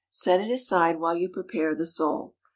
Set it aside while you prepare the sole.